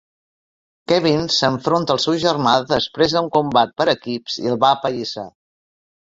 Kevin s'enfronta al seu germà després d'un combat per equips i el va apallissar.